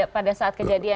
pada saat kejadian ya